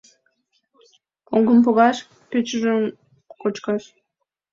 Поҥгым погаш, пӧчыжым кочкаш.